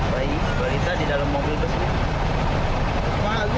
bayi balita di dalam mobil tersebut